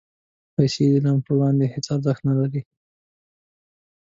پېسې د علم پر وړاندې هېڅ ارزښت نه لري.